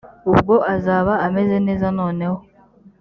ubwo azaba ameze neza noneho